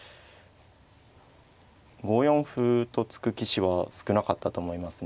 ５四歩と突く棋士は少なかったと思いますね。